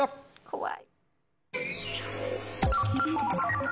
怖い。